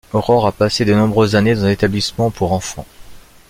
Aurore a passé de nombreuses années dans un établissement pour enfants.